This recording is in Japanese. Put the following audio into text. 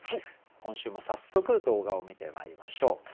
今週も早速動画を観てまいりましょう。